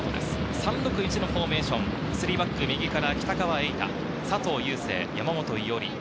３−６−１のフォーメーション、３バック、右から北川、佐藤優成、山本伊織。